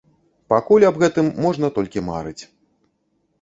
Пакуль аб гэтым можна толькі марыць.